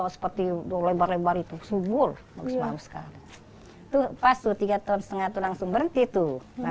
sekali panen semua